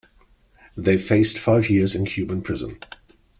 They faced five years in Cuban prison.